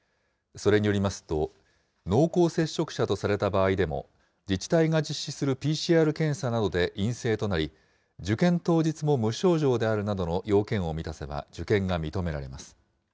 それによりますと、濃厚接触者とされた場合でも自治体が実施するＰＣＲ検査などで陰性となり、受験当日も無症状であるなどの要件を満たせば受験が認められます。